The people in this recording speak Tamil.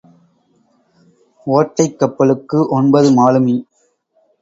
ஓட்டைக் கப்பலுக்கு ஒன்பது மாலுமி.